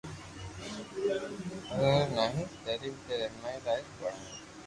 ضرورت ناهي. تعليم کي رسائي لائق بڻائڻ